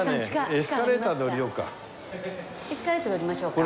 エスカレーターで下りましょうか。